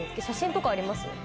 写真とかあります？